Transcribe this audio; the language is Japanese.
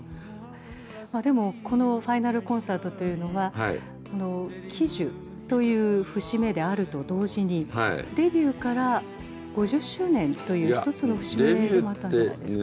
でもこのファイナル・コンサートというのは喜寿という節目であると同時にデビューから５０周年という一つの節目でもあったんじゃないですか？